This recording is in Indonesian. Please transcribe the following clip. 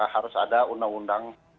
harus ada undang undang